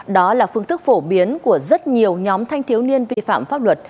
đó là phương thức phổ biến của rất nhiều nhóm thanh thiếu niên vi phạm pháp luật